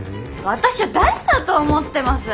私を誰だと思ってます？